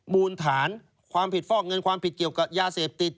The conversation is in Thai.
มูลฐานความผิดฟอกเงินความผิดเกี่ยวกับยาเสพติด